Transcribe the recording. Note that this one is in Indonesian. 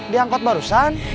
di angkot barusan